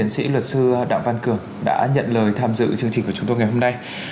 chúng tôi xin được cảm ơn tiến sĩ luật sư đạo văn cường đã nhận lời tham dự chương trình của chúng tôi ngày hôm nay